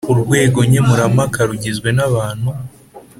Urwego nkemurampaka rugizwe n abantu